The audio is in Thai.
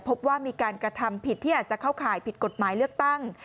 พบว่ามีการกระทำผิดที่อาจจะเข้าข่ายผิดกฎหมายเลือกตั้ง